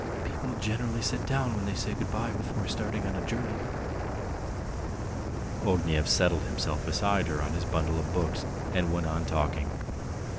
"People generally sit down when they say good bye before starting on a journey." Ognev settled himself beside her on his bundle of books and went on talking.